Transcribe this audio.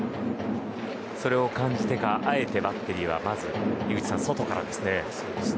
それを感じてかあえてバッテリーはまず井口さん、外からですね。